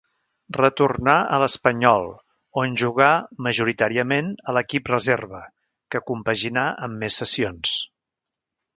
Retornà a l'Espanyol on jugà majoritàriament a l'equip reserva, que compaginà amb més cessions.